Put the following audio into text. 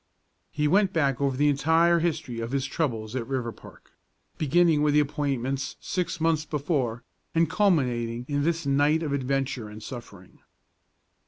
He went back over the entire history of his troubles at Riverpark, beginning with the appointments six months before, and culminating in this night of adventure and suffering.